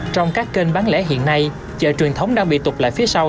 trong các kênh bán lẻ hiện nay chợ truyền thống đang bị tục lại phía sau